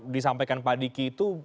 disampaikan pak diki itu